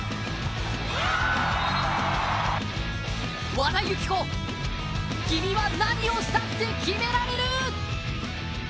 和田由紀子君は何をしたって決められる。